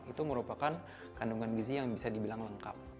itu merupakan kandungan gizi yang bisa dibilang lengkap